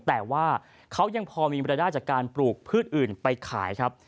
แต่ว่าเขายังพอมีรายได้จากการปลูกพืชอื่นไปขายครับ